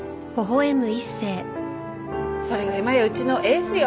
それが今やうちのエースよ。